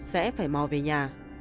sẽ phải mò về nhà